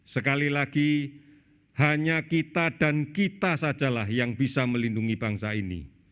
sekali lagi hanya kita dan kita sajalah yang bisa melindungi bangsa ini